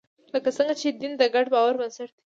لکه څنګه چې دین د ګډ باور بنسټ دی.